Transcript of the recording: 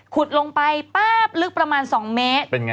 ลงไปป๊าบลึกประมาณ๒เมตร